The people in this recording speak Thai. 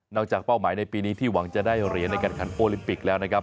จากเป้าหมายในปีนี้ที่หวังจะได้เหรียญในการขันโอลิมปิกแล้วนะครับ